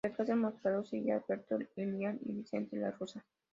Detrás del mostrador, seguían Alberto Irízar y Vicente La Russa.